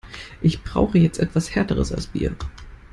Ich brauche jetzt etwas Härteres als Bier.